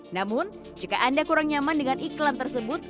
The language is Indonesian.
namun jika anda kurang nyaman dengan iklan tersebut